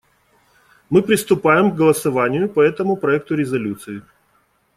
Мы приступаем к голосованию по этому проекту резолюции.